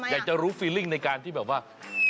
อยากจะรู้ฟีลิ่งในการที่แบบว่า